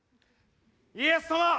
家康様！